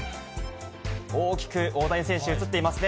大きく大谷選手、写っていますね。